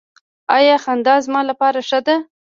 ایا خندا زما لپاره ښه ده؟